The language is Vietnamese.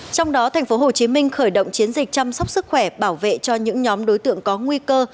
trong đó tp hcm khởi động chiến dịch chăm sóc sức khỏe bảo vệ cho những nhóm đối tượng có nguy cơ